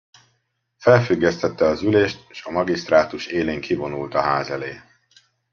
Felfüggesztette az ülést s a magisztrátus élén kivonult a ház elé.